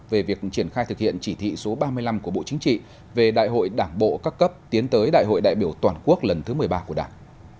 về việc triển khai thực hiện chỉ thị số ba mươi năm của bộ chính trị về đại hội đảng bộ các cấp tiến tới đại hội đại biểu toàn quốc lần thứ một mươi ba của đảng